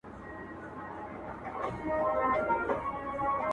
در نیژدې ستا تر خپل ځان یم ستا تر روح تر نفسونو!